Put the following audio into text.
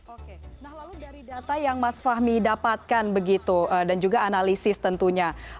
oke nah lalu dari data yang mas fahmi dapatkan begitu dan juga analisis tentunya